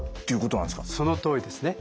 そのとおりですね。